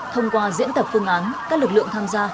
thông qua diễn tập phương án các lực lượng tham gia